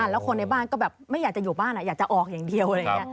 แล้วคนในบ้านก็แบบไม่อยากจะอยู่บ้านอยากจะออกอย่างเดียว